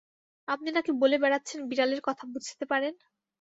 আপনি নাকি বলে বেড়াচ্ছেন বিড়ালের কথা বুঝতে পারেন?